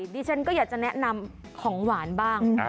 ดิฉันก็อยากจะแนะนำของหวานบ้าง